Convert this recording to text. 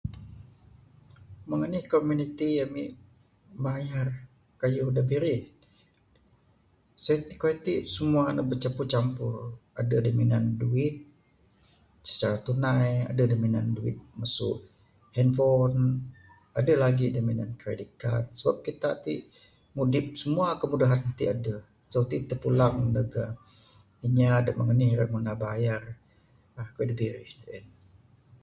Meng anih komuniti ami mayar kayuh da birih? Sien kayuh iti ne semua ne bercampur campur. Adeh da minan duit secara tunai, adeh da minan duit masu handphone, adeh lagi da minan credit card. Sebab kita ti mudip semua kemudahan iti adeh. So ti terpulang neg eh inya da meng anih da ra ngundah bayar. keyuh dak birih en.